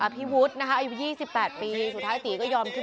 โชว์มือโชว์มือ